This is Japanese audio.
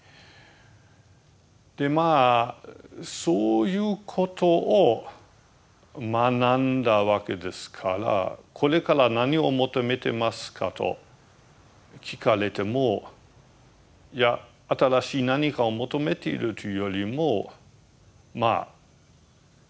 でまあそういうことを学んだわけですから「これから何を求めてますか？」と聞かれても新しい何かを求めているというよりもまあ手放し続ける。